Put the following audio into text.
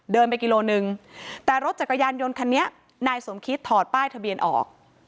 เดินไปกิโลนึงแต่รถจักรยานยนต์คันนี้นายสมคิดถอดป้ายทะเบียนออก